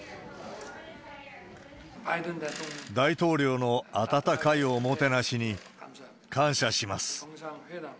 大統領の温かいおもてなしに感謝します。